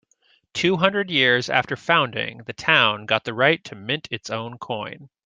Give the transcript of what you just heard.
Two hundred years after founding, the town got the right to mint its own coin.